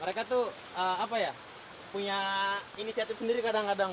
mereka tuh punya inisiatif sendiri kadang kadang